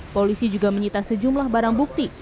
polisi juga menyita sejumlah barang bukti